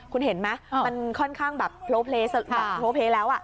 คุณเห็นไหมมันค่อนข้างแบบโพลเฟสแบบโพลเฟแล้ว